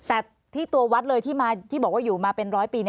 แต่ที่ตัววัดเลยที่บอกว่าอยู่มาเป็นร้อยปี